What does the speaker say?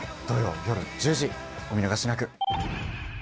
土曜夜１０時、お見逃しなく。